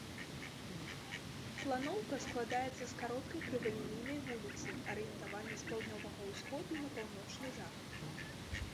Планоўка складаецца з кароткай крывалінейнай вуліцы, арыентаванай з паўднёвага ўсходу на паўночны захад.